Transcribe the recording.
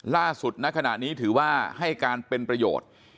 ล่าสุดในขณะนี้ถือว่าให้การเป็นประโยชน์